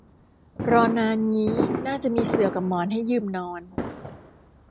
รอนานงี้น่าจะมีเสื่อกับหมอนให้ยืมนอน